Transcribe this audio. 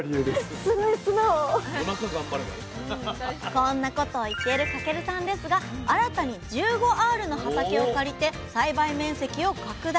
こんなことを言っている翔さんですが新たに１５アールの畑を借りて栽培面積を拡大。